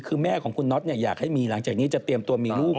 คือแม่ของคุณน็อตอยากให้มีหลังจากนี้จะเตรียมตัวมีลูก